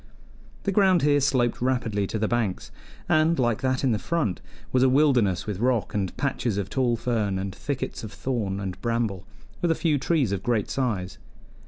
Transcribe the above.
The ground here sloped rapidly to the banks, and, like that in the front, was a wilderness with rock and patches of tall fern and thickets of thorn and bramble, with a few trees of great size.